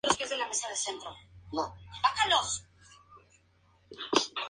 En los tiempos de Augusto la ciudad pasó a llamarse Colonia Aelia Augusta Itálica.